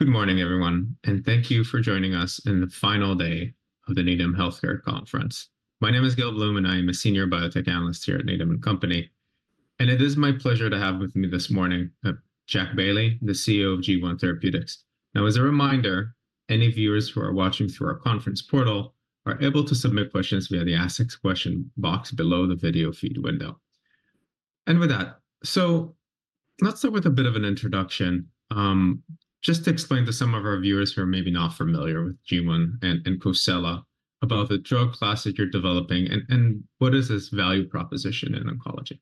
Good morning, everyone, and thank you for joining us in the final day of the Needham Healthcare Conference. My name is Gil Blum, and I am a senior biotech analyst here at Needham & Company. It is my pleasure to have with me this morning Jack Bailey, the CEO of G1 Therapeutics. Now, as a reminder, any viewers who are watching through our conference portal are able to submit questions via the Ask a question box below the video feed window. With that, let's start with a bit of an introduction. Just to explain to some of our viewers who are maybe not familiar with G1 and Cosela, about the drug class that you're developing and what is its value proposition in oncology?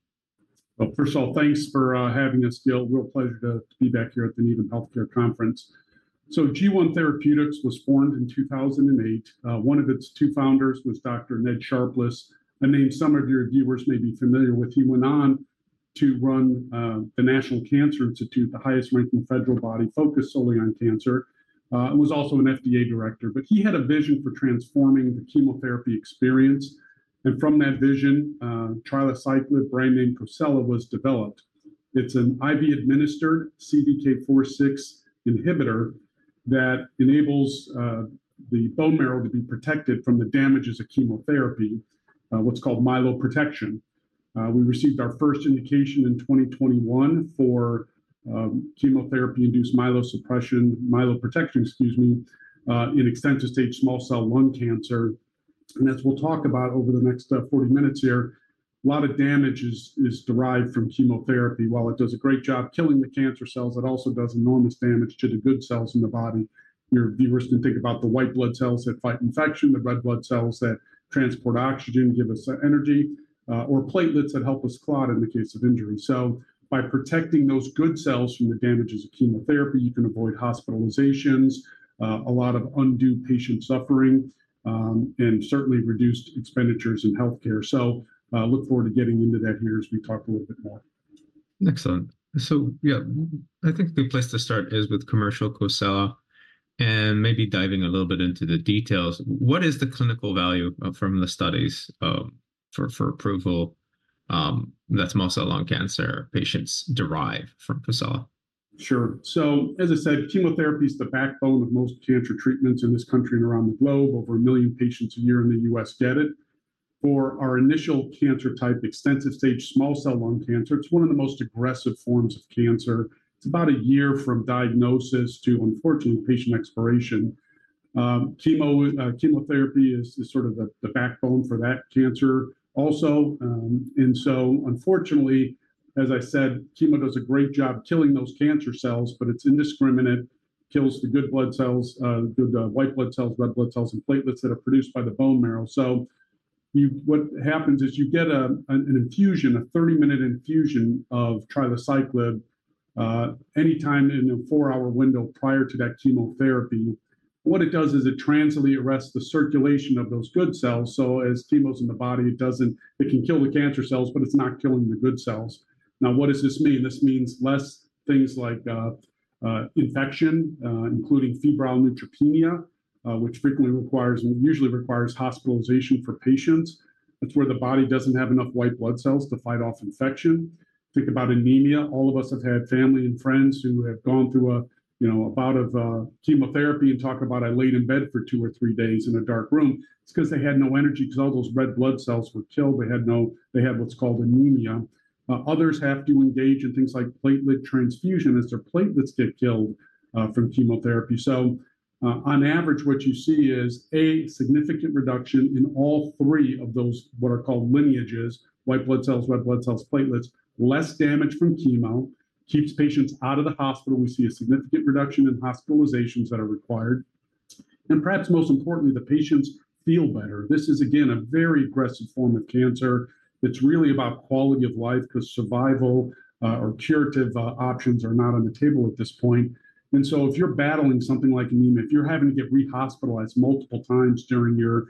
Well, first of all, thanks for having us, Gil. Real pleasure to be back here at the Needham Healthcare Conference. G1 Therapeutics was formed in 2008. One of its two founders was Dr. Ned Sharpless, a name some of your viewers may be familiar with. He went on to run the National Cancer Institute, the highest-ranking federal body focused solely on cancer, and was also an FDA director. But he had a vision for transforming the chemotherapy experience, and from that vision, Trilaciclib, brand name Cosela, was developed. It's an IV-administered CDK4/6 inhibitor that enables the bone marrow to be protected from the damages of chemotherapy, what's called Myeloprotection. We received our first indication in 2021 for chemotherapy-induced myelosuppression, Myeloprotection, excuse me, in extensive-stage small cell lung cancer. And as we'll talk about over the next 40 minutes here, a lot of damage is derived from chemotherapy. While it does a great job killing the cancer cells, it also does enormous damage to the good cells in the body. Your viewers can think about the white blood cells that fight infection, the red blood cells that transport oxygen, give us energy, or platelets that help us clot in the case of injury. So by protecting those good cells from the damages of chemotherapy, you can avoid hospitalizations, a lot of undue patient suffering, and certainly reduced expenditures in healthcare. So, look forward to getting into that here as we talk a little bit more. Excellent. So yeah, I think a good place to start is with commercial Cosela and maybe diving a little bit into the details. What is the clinical value, from the studies, for approval, that small cell lung cancer patients derive from Cosela? Sure. So as I said, chemotherapy is the backbone of most cancer treatments in this country and around the globe. Over 1 million patients a year in the US get it. For our initial cancer type, extensive-stage small cell lung cancer, it's one of the most aggressive forms of cancer. It's about a year from diagnosis to, unfortunately, patient expiration. Chemotherapy is sort of the backbone for that cancer also, and so unfortunately, as I said, chemo does a great job killing those cancer cells, but it's indiscriminate, kills the good blood cells, the white blood cells, red blood cells, and platelets that are produced by the bone marrow. So what happens is you get an infusion, a 30-minute infusion of Trilaciclib anytime in a 4-hour window prior to that chemotherapy. What it does is it transiently arrests the circulation of those good cells, so as chemo's in the body, it doesn't. It can kill the cancer cells, but it's not killing the good cells. Now, what does this mean? This means less things like infection, including febrile neutropenia, which frequently requires, and usually requires hospitalization for patients. That's where the body doesn't have enough white blood cells to fight off infection. Think about anemia. All of us have had family and friends who have gone through a, you know, a bout of chemotherapy and talk about, "I laid in bed for two or three days in a dark room." It's 'cause they had no energy, 'cause all those red blood cells were killed. They had what's called anemia. Others have to engage in things like platelet transfusion as their platelets get killed from chemotherapy. So, on average, what you see is a significant reduction in all three of those, what are called lineages, white blood cells, red blood cells, platelets. Less damage from chemo keeps patients out of the hospital. We see a significant reduction in hospitalizations that are required, and perhaps most importantly, the patients feel better. This is, again, a very aggressive form of cancer that's really about quality of life, 'cause survival or curative options are not on the table at this point. And so if you're battling something like anemia, if you're having to get rehospitalized multiple times during your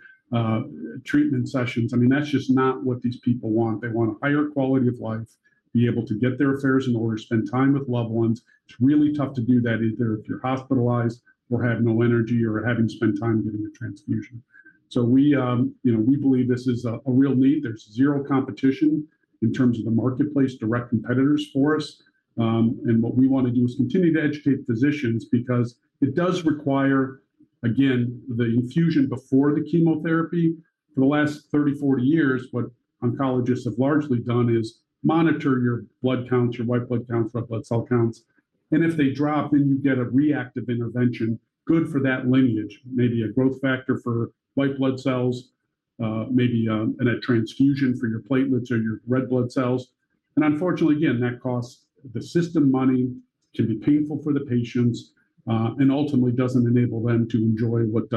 treatment sessions, I mean, that's just not what these people want. They want a higher quality of life, be able to get their affairs in order, spend time with loved ones. It's really tough to do that if you're hospitalized or have no energy or having to spend time getting a transfusion. So we, you know, we believe this is a real need. There's zero competition in terms of the marketplace, direct competitors for us. And what we want to do is continue to educate physicians, because it does require, again, the infusion before the chemotherapy. For the last 30, 40 years, what oncologists have largely done is monitor your blood counts, your white blood counts, red blood cell counts, and if they drop, then you get a reactive intervention, good for that lineage. Maybe a growth factor for white blood cells and a transfusion for your platelets or your red blood cells. Unfortunately, again, that costs the system money, can be painful for the patients, and ultimately doesn't enable them to enjoy what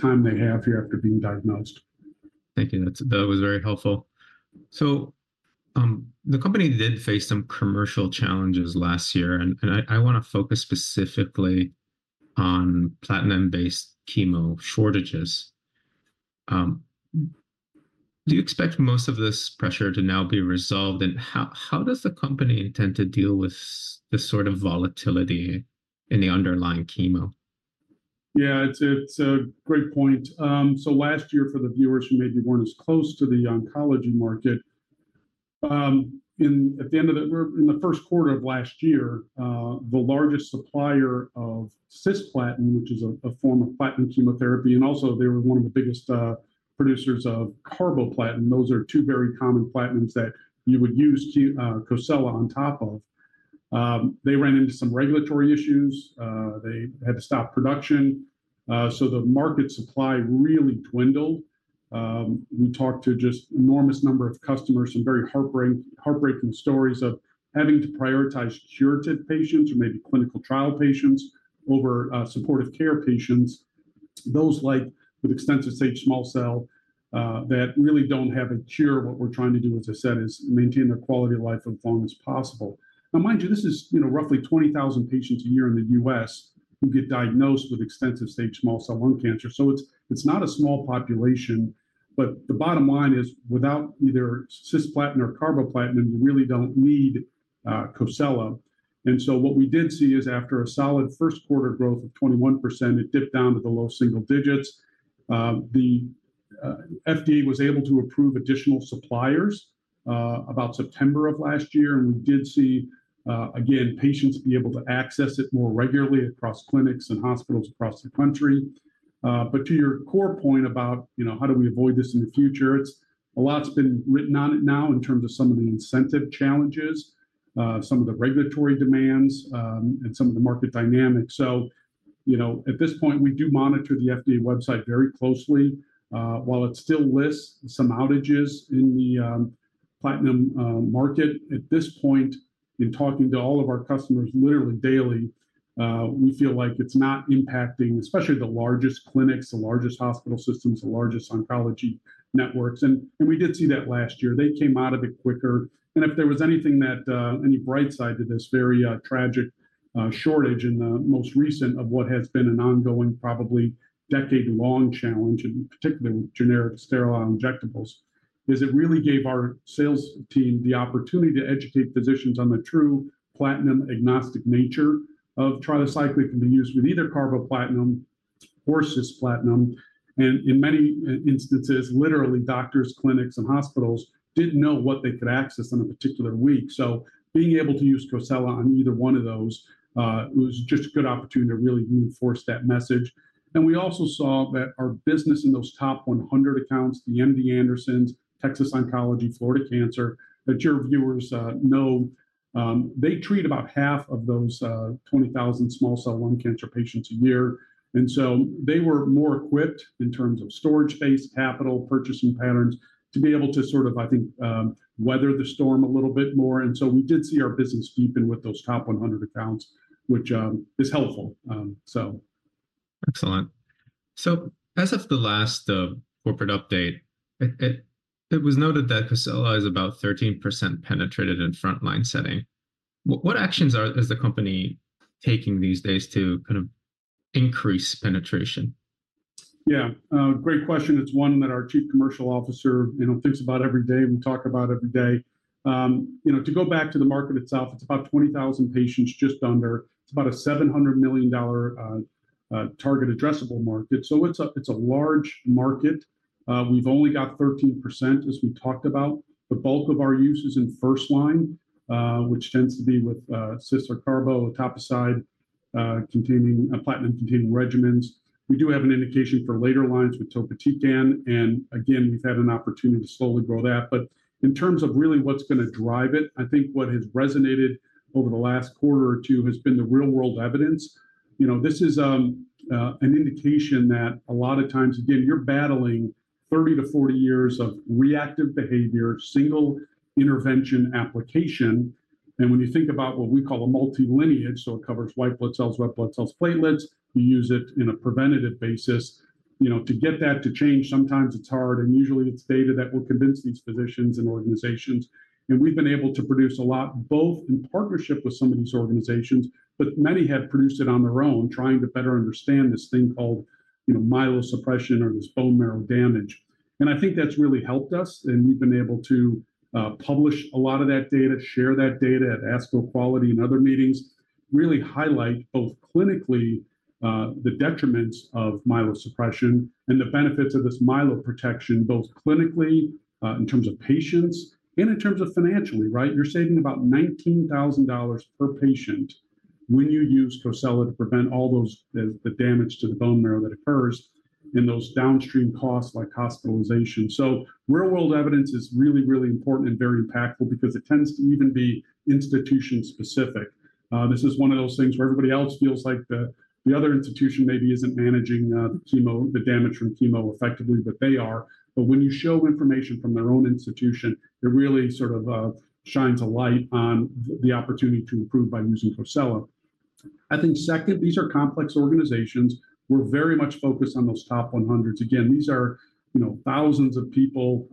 time they have here after being diagnosed. Thank you. That's, that was very helpful. So, the company did face some commercial challenges last year, and, and I, I wanna focus specifically on platinum-based chemo shortages. Do you expect most of this pressure to now be resolved, and how, how does the company intend to deal with this sort of volatility in the underlying chemo? Yeah, it's a great point. So last year, for the viewers who maybe weren't as close to the oncology market, in at the end of the or in the first quarter of last year, the largest supplier of cisplatin, which is a form of platinum chemotherapy, and also they were one of the biggest producers of carboplatin. Those are two very common platinums that you would use to Cosela on top of. They ran into some regulatory issues. They had to stop production, so the market supply really dwindled. We talked to just enormous number of customers, some very heartbreaking stories of having to prioritize curative patients or maybe clinical trial patients over supportive care patients, those like with extensive stage small cell that really don't have a cure. What we're trying to do, as I said, is maintain their quality of life and function as possible. Now, mind you, this is, you know, roughly 20,000 patients a year in the U.S. who get diagnosed with extensive-stage small cell lung cancer. So it's not a small population. But the bottom line is, without either Cisplatin or Carboplatin, you really don't need Cosela. And so what we did see is, after a solid first quarter growth of 21%, it dipped down to the low single digits. The FDA was able to approve additional suppliers about September of last year, and we did see again, patients be able to access it more regularly across clinics and hospitals across the country. But to your core point about, you know, how do we avoid this in the future? It's... A lot's been written on it now in terms of some of the incentive challenges, some of the regulatory demands, and some of the market dynamics. So, you know, at this point, we do monitor the FDA website very closely. While it still lists some outages in the platinum market, at this point, in talking to all of our customers literally daily, we feel like it's not impacting, especially the largest clinics, the largest hospital systems, the largest oncology networks. And we did see that last year. They came out of it quicker. And if there was anything that, any bright side to this very, tragic, shortage in the most recent of what has been an ongoing, probably decade-long challenge, and particularly with generic sterile injectables, is. It really gave our sales team the opportunity to educate physicians on the true platinum-agnostic nature of Trilaciclib, can be used with either Carboplatin or Cisplatin. And in many instances, literally, doctors, clinics, and hospitals didn't know what they could access on a particular week. So being able to use Cosela on either one of those, was just a good opportunity to really reinforce that message. And we also saw that our business in those top 100 accounts, the MD Anderson, Texas Oncology, Florida Cancer, that your viewers know, they treat about half of those, 20,000 small cell lung cancer patients a year. And so they were more equipped in terms of storage space, capital, purchasing patterns, to be able to sort of, I think, weather the storm a little bit more. And so we did see our business deepen with those top 100 accounts, which is helpful. So... Excellent. As of the last corporate update, it was noted that Cosela is about 13% penetrated in frontline setting. What actions is the company taking these days to kind of increase penetration? Yeah, great question. It's one that our chief commercial officer, you know, thinks about every day, and we talk about every day. You know, to go back to the market itself, it's about 20,000 patients, just under. It's about a $700 million target addressable market. So it's a, it's a large market. We've only got 13%, as we talked about. The bulk of our use is in first line, which tends to be with, cis or carbo, etoposide, containing... a platinum-containing regimens. We do have an indication for later lines with topotecan, and again, we've had an opportunity to slowly grow that. But in terms of really what's gonna drive it, I think what has resonated over the last quarter or two has been the real-world evidence. You know, this is an indication that a lot of times, again, you're battling 30-40 years of reactive behavior, single intervention application. And when you think about what we call a multi-lineage, so it covers white blood cells, red blood cells, platelets, we use it in a preventative basis. You know, to get that to change, sometimes it's hard, and usually it's data that will convince these physicians and organizations. And we've been able to produce a lot, both in partnership with some of these organizations, but many have produced it on their own, trying to better understand this thing called, you know, myelosuppression or this bone marrow damage. And I think that's really helped us, and we've been able to publish a lot of that data, share that data at ASCO Quality and other meetings, really highlight both clinically the detriments of myelosuppression and the benefits of this Myeloprotection, both clinically in terms of patients and in terms of financially, right? You're saving about $19,000 per patient when you use Cosela to prevent all those, the, the damage to the bone marrow that occurs and those downstream costs like hospitalization. So real-world evidence is really, really important and very impactful because it tends to even be institution specific. This is one of those things where everybody else feels like the, the other institution maybe isn't managing the chemo, the damage from chemo effectively, but they are. But when you show information from their own institution, it really sort of shines a light on the opportunity to improve by using Cosela. I think second, these are complex organizations. We're very much focused on those top 100s. Again, these are, you know, thousands of people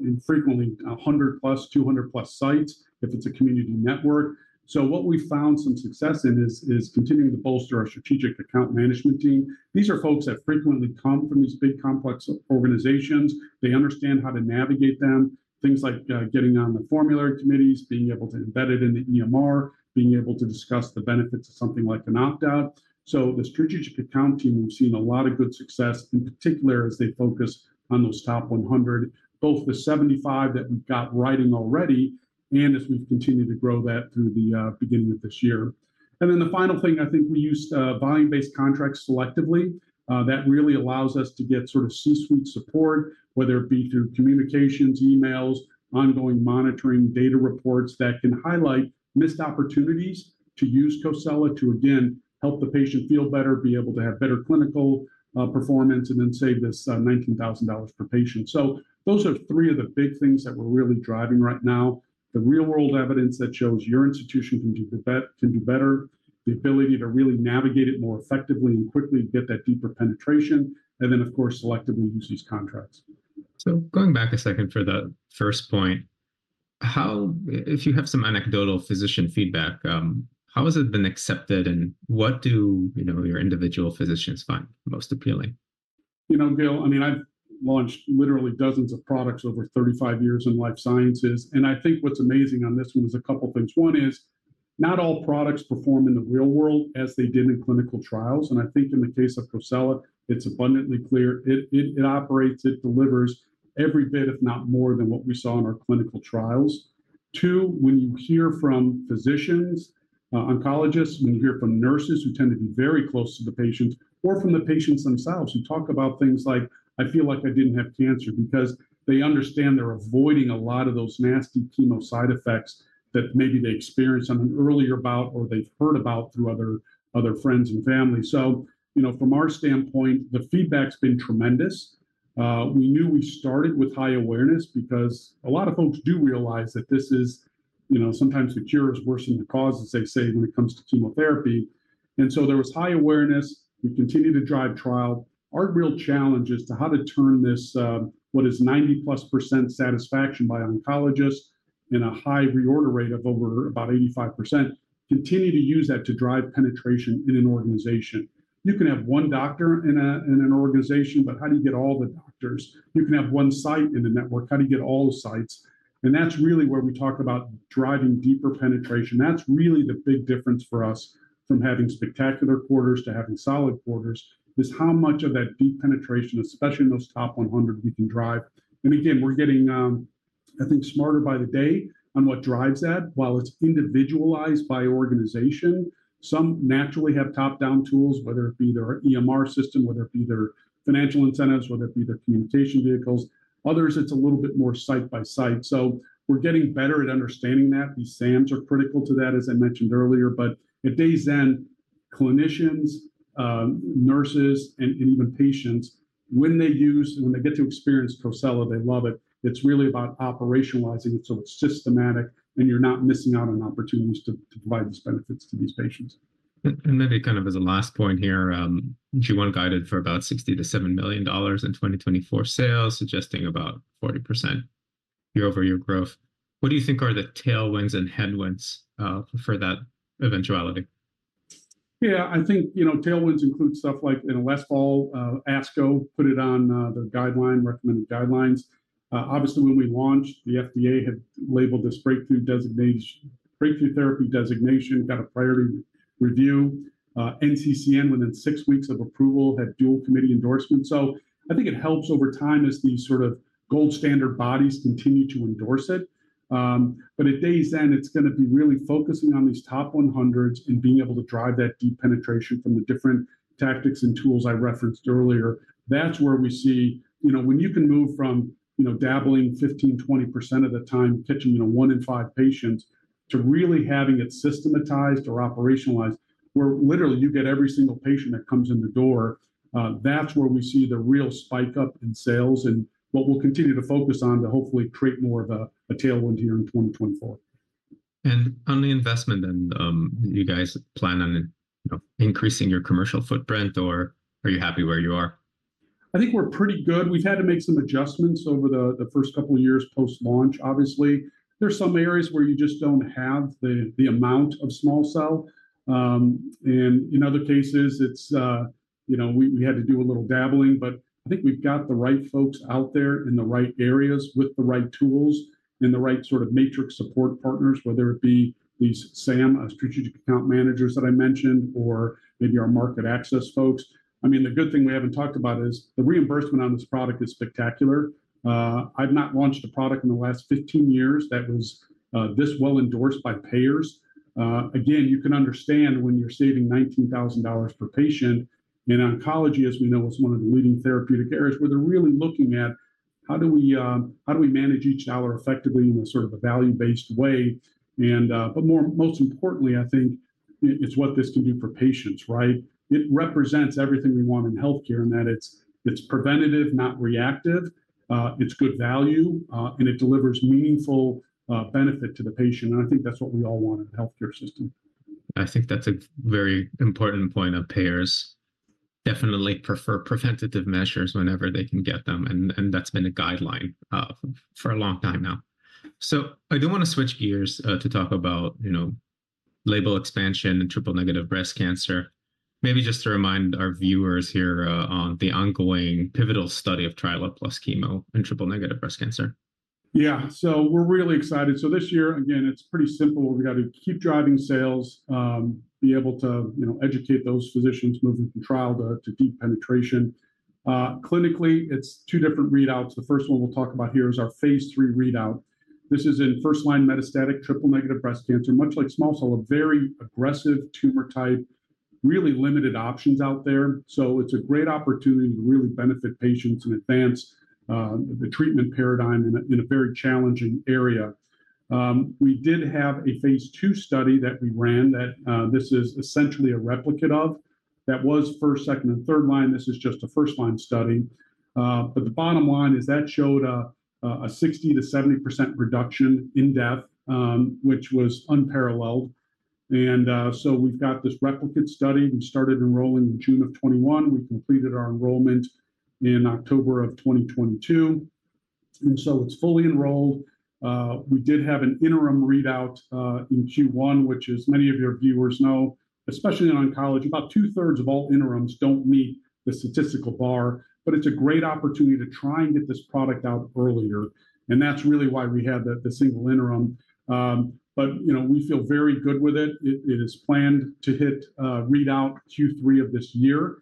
and frequently 100+, 200+ sites, if it's a community network. So what we found some success in is continuing to bolster our strategic account management team. These are folks that frequently come from these big, complex organizations. They understand how to navigate them, things like getting on the formulary committees, being able to embed it in the EMR, being able to discuss the benefits of something like an opt-out. So the strategic account team, we've seen a lot of good success, in particular, as they focus on those top 100, both the 75 that we've got writing already and as we've continued to grow that through the beginning of this year. And then the final thing, I think we use volume-based contracts selectively. That really allows us to get sort of C-suite support, whether it be through communications, emails, ongoing monitoring, data reports that can highlight missed opportunities to use Cosela to again, help the patient feel better, be able to have better clinical performance, and then save this $19,000 per patient. So those are three of the big things that we're really driving right now. The real-world evidence that shows your institution can do better, the ability to really navigate it more effectively and quickly get that deeper penetration, and then, of course, selectively use these contracts. So going back a second for the first point, if you have some anecdotal physician feedback, how has it been accepted, and what do you know your individual physicians find most appealing? You know, Gil, I mean, I've launched literally dozens of products over 35 years in life sciences, and I think what's amazing on this one is a couple of things. One is, not all products perform in the real world as they did in clinical trials, and I think in the case of Cosela, it's abundantly clear it operates, it delivers every bit, if not more, than what we saw in our clinical trials. Two, when you hear from physicians, oncologists, when you hear from nurses who tend to be very close to the patients or from the patients themselves, who talk about things like, "I feel like I didn't have cancer," because they understand they're avoiding a lot of those nasty chemo side effects that maybe they experienced something earlier about or they've heard about through other friends and family. So, you know, from our standpoint, the feedback's been tremendous. We knew we started with high awareness because a lot of folks do realize that this is, you know, sometimes the cure is worse than the cause, as they say, when it comes to chemotherapy. And so there was high awareness. We continued to drive trial. Our real challenge is to how to turn this, what is 90+% satisfaction by oncologists in a high reorder rate of over about 85%, continue to use that to drive penetration in an organization. You can have one doctor in an organization, but how do you get all the doctors? You can have one site in the network. How do you get all the sites? And that's really where we talk about driving deeper penetration. That's really the big difference for us from having spectacular quarters to having solid quarters, is how much of that deep penetration, especially in those top 100, we can drive. Again, we're getting, I think, smarter by the day on what drives that. While it's individualized by organization, some naturally have top-down tools, whether it be their EMR system, whether it be their financial incentives, whether it be their communication vehicles. Others, it's a little bit more side by side. So we're getting better at understanding that. These SAMs are critical to that, as I mentioned earlier, but at day's end, clinicians, nurses, and even patients, when they get to experience Cosela, they love it. It's really about operationalizing it so it's systematic, and you're not missing out on opportunities to provide these benefits to these patients. Maybe kind of as a last point here, G1 guided for about $60 million-$70 million in 2024 sales, suggesting about 40% year-over-year growth. What do you think are the tailwinds and headwinds for that eventuality? Yeah, I think, you know, tailwinds include stuff like in last fall, ASCO put it on, the guideline, recommended guidelines. Obviously, when we launched, the FDA had labeled this breakthrough designation, breakthrough therapy designation, got a priority review. NCCN, within six weeks of approval, had dual committee endorsement. So I think it helps over time as these sort of gold standard bodies continue to endorse it. But at day's end, it's gonna be really focusing on these top 100s and being able to drive that deep penetration from the different tactics and tools I referenced earlier. That's where we see... You know, when you can move from, you know, dabbling 15, 20% of the time, pitching, you know, one in five patients, to really having it systematized or operationalized, where literally you get every single patient that comes in the door, that's where we see the real spike up in sales and what we'll continue to focus on to hopefully create more of a tailwind here in 2024. On the investment then, do you guys plan on, you know, increasing your commercial footprint, or are you happy where you are? I think we're pretty good. We've had to make some adjustments over the first couple of years post-launch. Obviously, there are some areas where you just don't have the amount of small cell. And in other cases, it's you know, we had to do a little dabbling, but I think we've got the right folks out there in the right areas with the right tools and the right sort of matrix support partners, whether it be these SAM strategic account managers that I mentioned, or maybe our market access folks. I mean, the good thing we haven't talked about is the reimbursement on this product is spectacular. I've not launched a product in the last 15 years that was this well endorsed by payers. Again, you can understand when you're saving $19,000 per patient in oncology, as we know, is one of the leading therapeutic areas where they're really looking at: how do we, how do we manage each dollar effectively in a sort of a value-based way? And, but more, most importantly, I think it, it's what this can do for patients, right? It represents everything we want in healthcare, and that it's, it's preventative, not reactive. It's good value, and it delivers meaningful benefit to the patient, and I think that's what we all want in a healthcare system. I think that's a very important point of payers. Definitely prefer preventative measures whenever they can get them, and that's been a guideline for a long time now. So I do wanna switch gears to talk about, you know, label Triple-negative Breast Cancer. maybe just to remind our viewers here on the ongoing pivotal study of Trilaciclib plus chemo in Triple-negative Breast Cancer. Yeah. So we're really excited. So this year, again, it's pretty simple. We've got to keep driving sales, be able to, you know, educate those physicians, move them from trial to deep penetration. Clinically, it's two different readouts. The first one we'll talk about here is our phase III readout. This is in Triple-negative Breast Cancer. much like small cell, a very aggressive tumor type, really limited options out there. So it's a great opportunity to really benefit patients and advance the treatment paradigm in a very challenging area. We did have a phase II study that we ran that this is essentially a replicate of. That was first, second, and third line. This is just a first-line study. But the bottom line is that showed a 60%-70% reduction in death, which was unparalleled. So we've got this replicate study. We started enrolling in June of 2021. We completed our enrollment in October of 2022, and so it's fully enrolled. We did have an interim readout in Q1, which as many of your viewers know, especially in oncology, about two-thirds of all interims don't meet the statistical bar, but it's a great opportunity to try and get this product out earlier, and that's really why we had the single interim. But, you know, we feel very good with it. It is planned to hit readout Q3 of this year.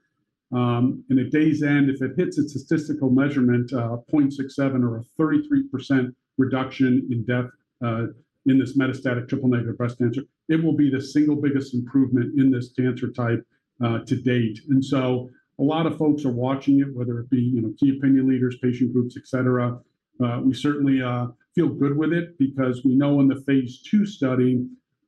And at day's end, if it hits its statistical measurement, 0.67 or a 33% reduction in death, in Triple-negative Breast Cancer, it will be the single biggest improvement in this cancer type, to date. A lot of folks are watching it, whether it be, you know, key opinion leaders, patient groups, et cetera. We certainly feel good with it because we know in the phase II study,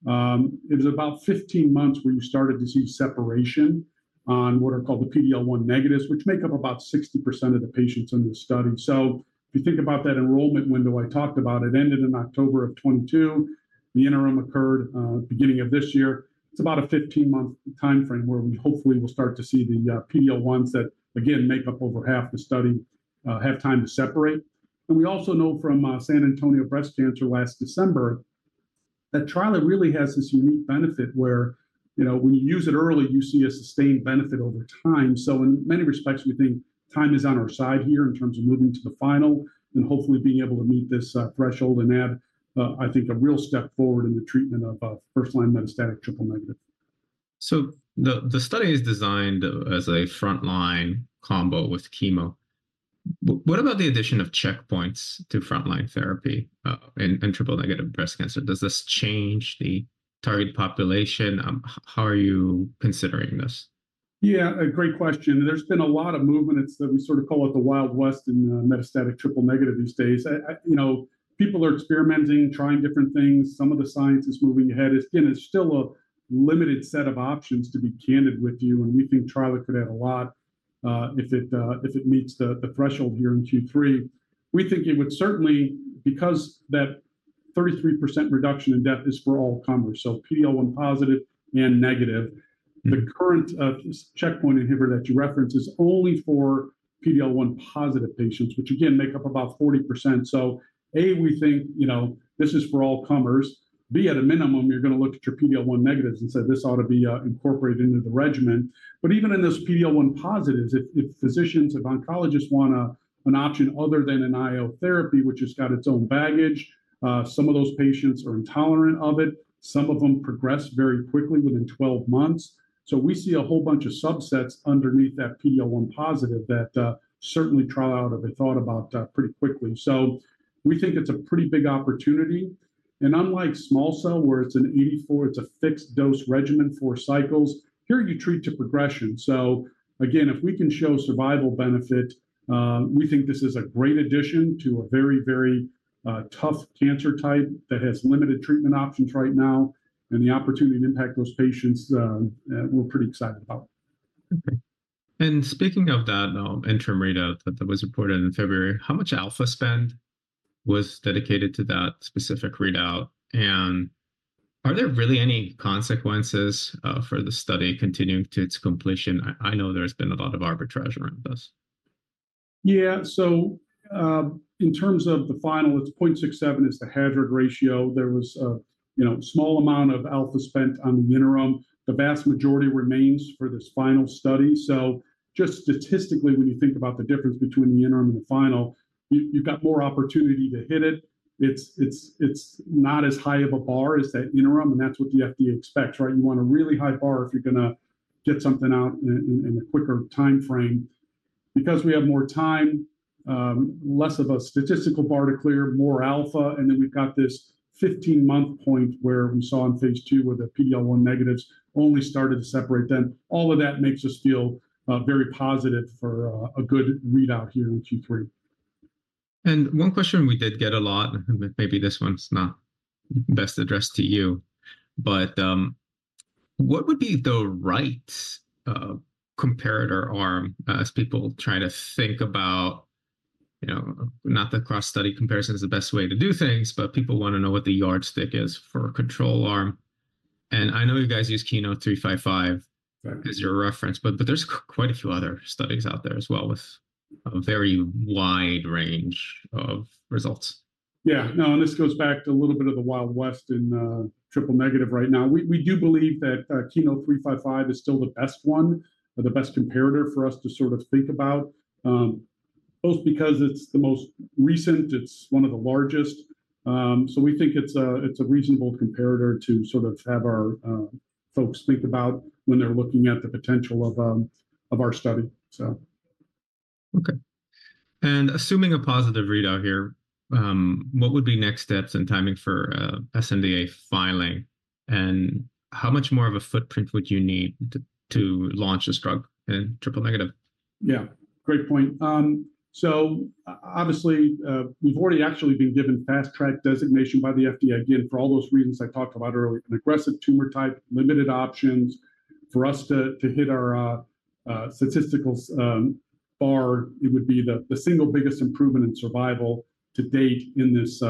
it was about 15 months where you started to see separation on what are called the PD-L1 negatives, which make up about 60% of the patients in this study. If you think about that enrollment window I talked about, it ended in October of 2022. The interim occurred beginning of this year. It's about a 15-month timeframe where we hopefully will start to see the PD-L1s that, again, make up over half the study, have time to separate. We also know from San Antonio Breast Cancer last December, that Trilaciclib really has this unique benefit where, you know, when you use it early, you see a sustained benefit over time. So in many respects, we think time is on our side here in terms of moving to the final and hopefully being able to meet this threshold and add, I think, a real step forward in the treatment of first-line metastatic triple-negative. So the study is designed as a frontline combo with chemo. What about the addition of checkpoints to frontline Triple-negative Breast Cancer? does this change the target population? How are you considering this? Yeah, a great question. There's been a lot of movement. It's. We sort of call it the Wild West in metastatic triple-negative these days. I. You know, people are experimenting, trying different things. Some of the science is moving ahead. Again, it's still a limited set of options, to be candid with you, and we think Trilaciclib could add a lot, if it meets the threshold here in Q3. We think it would certainly because that 33% reduction in death is for all comers, so PD-L1 positive and negative. The current checkpoint inhibitor that you referenced is only for PD-L1-positive patients, which again make up about 40%. So, A, we think, you know, this is for all comers. B, at a minimum, you're gonna look at your PD-L1 negatives and say, "This ought to be incorporated into the regimen." But even in those PD-L1 positives, if, if physicians, if oncologists want an option other than an IO therapy, which has got its own baggage, some of those patients are intolerant of it, some of them progress very quickly within 12 months. So we see a whole bunch of subsets underneath that PD-L1 positive that certainly Trilaciclib ought to be thought about pretty quickly. So we think it's a pretty big opportunity, and unlike small cell, where it's an 84, it's a fixed-dose regimen for cycles, here you treat to progression. So again, if we can show survival benefit, we think this is a great addition to a very, very tough cancer type that has limited treatment options right now, and the opportunity to impact those patients, we're pretty excited about. Okay. And speaking of that, interim readout that was reported in February, how much alpha spend was dedicated to that specific readout? And are there really any consequences for the study continuing to its completion? I know there's been a lot of arbitrage around this. Yeah, so, in terms of the final, it's 0.67 is the hazard ratio. There was a, you know, small amount of alpha spent on the interim. The vast majority remains for this final study. So just statistically, when you think about the difference between the interim and the final, you've got more opportunity to hit it. It's not as high of a bar as that interim, and that's what the FDA expects, right? You want a really high bar if you're gonna get something out in a quicker timeframe. Because we have more time, less of a statistical bar to clear, more alpha, and then we've got this 15-month point where we saw in phase II where the PD-L1 negatives only started to separate then, all of that makes us feel, very positive for, a good readout here in Q3. One question we did get a lot, and maybe this one's not best addressed to you, but. What would be the right comparator arm as people try to think about, you know, not that cross study comparison is the best way to do things, but people want to know what the yardstick is for a control arm. I know you guys use KEYNOTE-355 as your reference, but there's quite a few other studies out there as well, with a very wide range of results. Yeah. No, and this goes back to a little bit of the Wild West in triple-negative right now. We, we do believe that KEYNOTE-355 is still the best one or the best comparator for us to sort of think about both because it's the most recent, it's one of the largest. So we think it's a, it's a reasonable comparator to sort of have our folks think about when they're looking at the potential of of our study. So... Okay. And assuming a positive readout here, what would be next steps and timing for sNDA filing? And how much more of a footprint would you need to launch this drug in triple-negative? Yeah, great point. So obviously, we've already actually been given fast track designation by the FDA, again, for all those reasons I talked about earlier, an aggressive tumor type, limited options. For us to hit our statistical bar, it would be the single biggest improvement in survival to date in this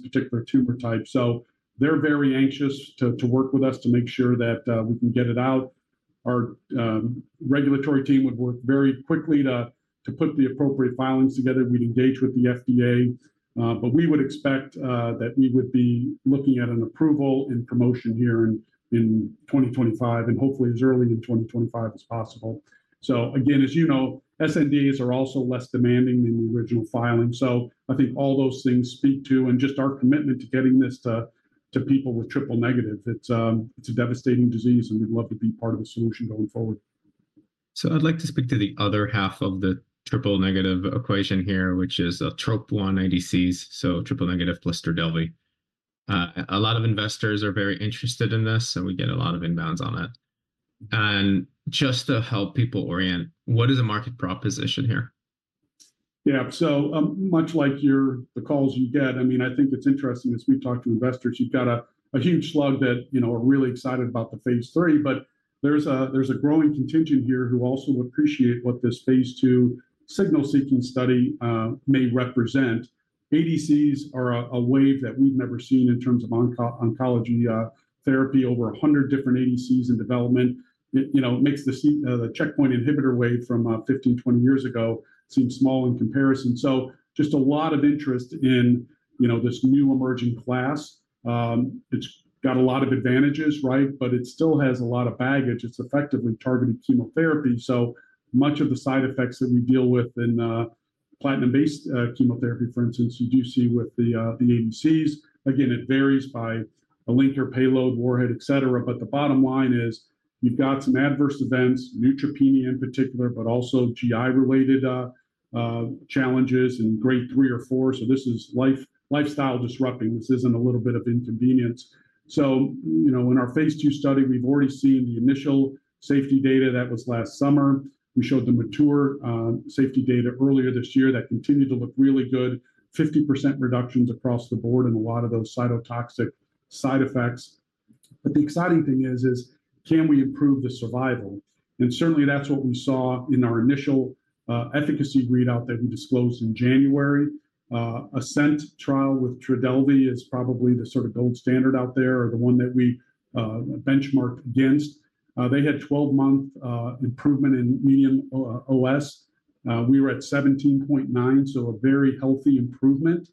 particular tumor type. So they're very anxious to work with us to make sure that we can get it out. Our regulatory team would work very quickly to put the appropriate filings together. We'd engage with the FDA, but we would expect that we would be looking at an approval and promotion here in 2025, and hopefully as early in 2025 as possible. So again, as you know, sNDAs are also less demanding than the original filing. So I think all those things speak to, and just our commitment to getting this to, to people with triple-negative. It's, it's a devastating disease, and we'd love to be part of the solution going forward. So I'd like to speak to the other half of the triple-negative equation here, which is, Trop-2 ADCs, so triple-negative plus Trodelvy. A lot of investors are very interested in this, and we get a lot of inbounds on it. Just to help people orient, what is the market proposition here? Yeah. So, much like your, the calls you get, I mean, I think it's interesting, as we've talked to investors, you've got a, a huge slug that, you know, are really excited about the phase III. But there's a, there's a growing contingent here who also appreciate what this phase II signal-seeking study may represent. ADCs are a, a wave that we've never seen in terms of oncology therapy. Over 100 different ADCs in development. It, you know, makes the checkpoint inhibitor wave from 15, 20 years ago seem small in comparison. So just a lot of interest in, you know, this new emerging class. It's got a lot of advantages, right? But it still has a lot of baggage. It's effectively targeted chemotherapy, so much of the side effects that we deal with in, platinum-based, chemotherapy, for instance, you do see with the, the ADCs. Again, it varies by a linker payload, warhead, et cetera, but the bottom line is, you've got some adverse events, neutropenia in particular, but also GI-related, challenges in grade III or IV. So this is life-lifestyle disrupting. This isn't a little bit of inconvenience. So, you know, in our phase II study, we've already seen the initial safety data. That was last summer. We showed the mature, safety data earlier this year that continued to look really good, 50% reductions across the board in a lot of those cytotoxic side effects. But the exciting thing is, is can we improve the survival? Certainly, that's what we saw in our initial efficacy readout that we disclosed in January. ASCENT trial with Trodelvy is probably the sort of gold standard out there, or the one that we benchmarked against. They had 12-month improvement in median OS. We were at 17.9, so a very healthy improvement.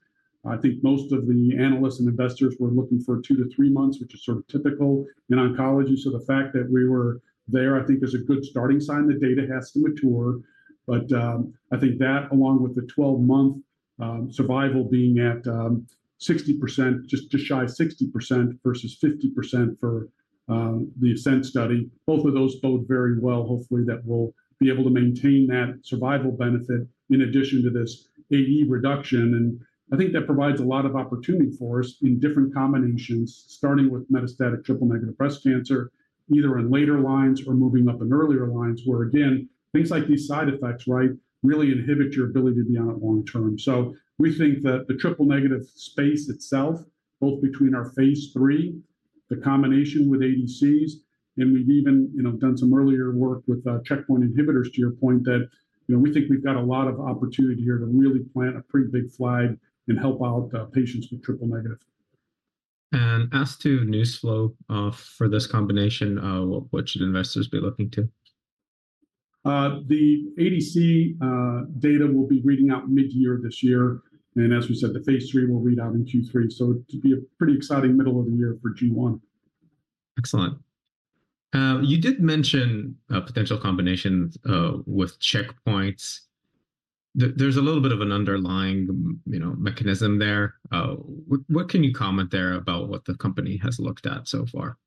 I think most of the analysts and investors were looking for 2-3 months, which is sort of typical in oncology. So the fact that we were there I think is a good starting sign. The data has to mature, but I think that, along with the 12-month survival being at 60%, just shy of 60% versus 50% for the ASCENT study, both of those bode very well. Hopefully that we'll be able to maintain that survival benefit in addition to this AE reduction, and I think that provides a lot of opportunity for us in different combinations, starting Triple-negative Breast Cancer, either in later lines or moving up in earlier lines, where again, things like these side effects, right, really inhibit your ability to be on it long term. So we think that the Triple-Negative space itself, both between our phase III, the combination with ADCs, and we've even, you know, done some earlier work with checkpoint inhibitors, to your point, that, you know, we think we've got a lot of opportunity here to really plant a pretty big flag and help out patients with Triple-Negative. As to news flow, for this combination, what should investors be looking to? The ADC data will be reading out midyear this year, and as we said, the Phase III will read out in Q3, so to be a pretty exciting middle of the year for G1. Excellent. You did mention potential combinations with checkpoints. There's a little bit of an underlying, you know, mechanism there. What can you comment there about what the company has looked at so far?...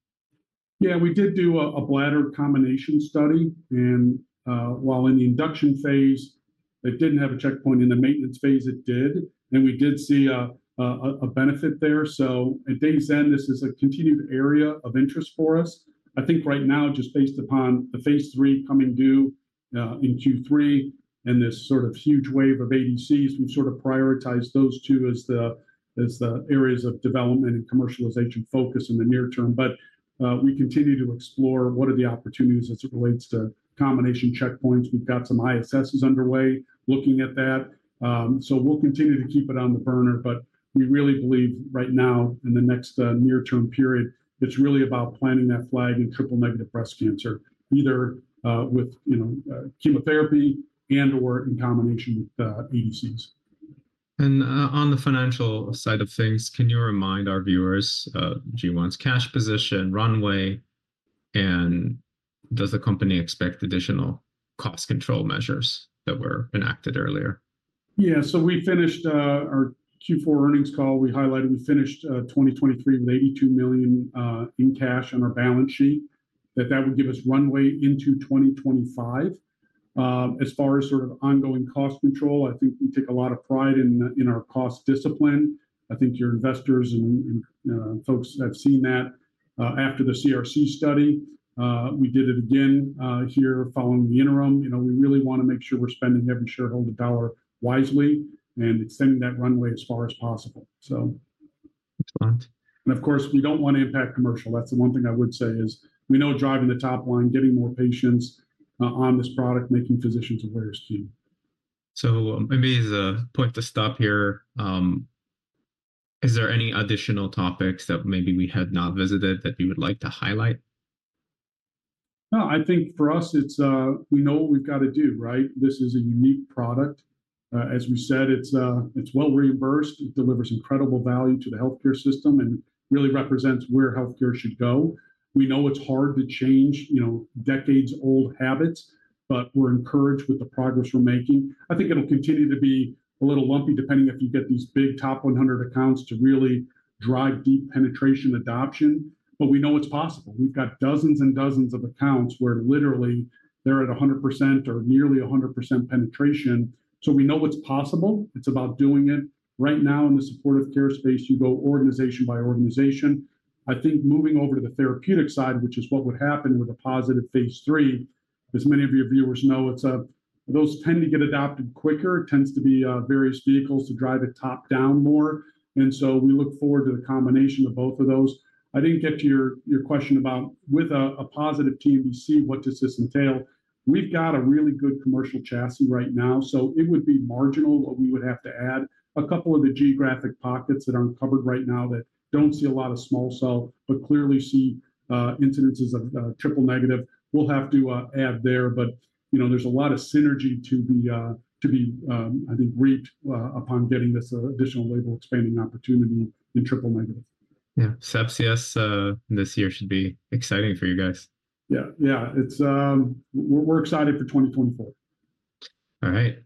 Yeah, we did do a bladder combination study, and while in the induction phase, it didn't have a checkpoint. In the maintenance phase, it did, and we did see a benefit there. So at day's end, this is a continued area of interest for us. I think right now, just based upon the phase III coming due in Q3 and this sort of huge wave of ADCs, we've sort of prioritized those two as the areas of development and commercialization focus in the near term. But we continue to explore what are the opportunities as it relates to combination checkpoints. We've got some ISSs underway looking at that. We'll continue to keep it on the burner, but we really believe right now, in the next near-term period, it's really about planting that Triple-negative Breast Cancer, either with, you know, chemotherapy and/or in combination with ADCs. On the financial side of things, can you remind our viewers of G1's cash position runway, and does the company expect additional cost control measures that were enacted earlier? Yeah, so we finished our Q4 earnings call. We highlighted, we finished 2023 with $82 million in cash on our balance sheet, that would give us runway into 2025. As far as sort of ongoing cost control, I think we take a lot of pride in our cost discipline. I think your investors and folks have seen that. After the CRC study, we did it again here following the interim. You know, we really wanna make sure we're spending every shareholder dollar wisely and extending that runway as far as possible, so. Excellent. Of course, we don't want to impact commercial. That's the one thing I would say, is we know driving the top line, getting more patients, on this product, making physicians aware is key. Maybe as a point to stop here, is there any additional topics that maybe we have not visited that you would like to highlight? No, I think for us, it's... We know what we've got to do, right? This is a unique product. As we said, it's well reimbursed. It delivers incredible value to the healthcare system and really represents where healthcare should go. We know it's hard to change, you know, decades-old habits, but we're encouraged with the progress we're making. I think it'll continue to be a little lumpy, depending if you get these big top 100 accounts to really drive deep penetration adoption, but we know it's possible. We've got dozens and dozens of accounts where literally they're at 100% or nearly 100% penetration, so we know it's possible. It's about doing it. Right now, in the supportive care space, you go organization by organization. I think moving over to the therapeutic side, which is what would happen with a positive phase III, as many of your viewers know, it's those tend to get adopted quicker, tends to be various vehicles to drive it top-down more, and so we look forward to the combination of both of those. I didn't get to your question about with a positive TNBC, what does this entail? We've got a really good commercial chassis right now, so it would be marginal what we would have to add. A couple of the geographic pockets that aren't covered right now that don't see a lot of small cell, but clearly see incidences of triple-negative, we'll have to add there. But, you know, there's a lot of synergy to be, I think, reaped upon getting this additional label expanding opportunity in triple negative. Yeah. So this, this year should be exciting for you guys. Yeah, yeah. It's, we're, we're excited for 2024. All right.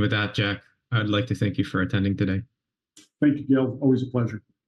With that, Jack, I'd like to thank you for attending today. Thank you, Gil. Always a pleasure.